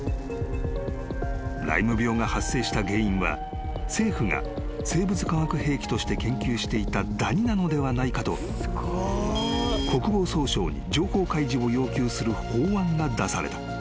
［ライム病が発生した原因は政府が生物化学兵器として研究していたダニなのではないかと国防総省に情報開示を要求する法案が出された］